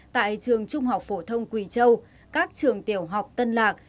tại trường trung học phổ thông quỳ châu các trường tiểu học tân lạc